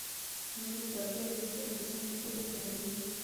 هغه د پاکوالي وسایل په سمه توګه کاروي.